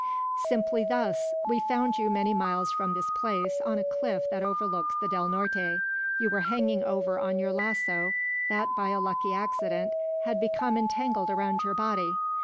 "Simply thus: we found you many miles from this place, on a cliff that overlooks the Del Norte. You were hanging over on your lasso, that by a lucky accident had become entangled around your body.